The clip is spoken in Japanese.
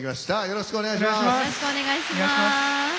よろしくお願いします。